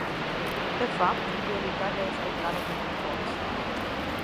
De fapt, prioritatea este clară pentru toți.